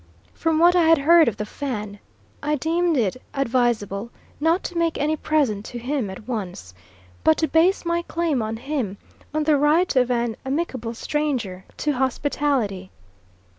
From what I had heard of the Fan, I deemed it advisable not to make any present to him at once, but to base my claim on him on the right of an amicable stranger to hospitality.